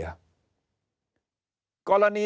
แล้วคุณจะทำหนังสือไปถึงประเทศไหนไหว